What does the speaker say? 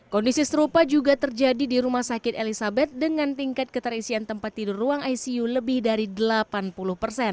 kondisi serupa juga terjadi di rumah sakit elizabeth dengan tingkat keterisian tempat tidur ruang icu lebih dari delapan puluh persen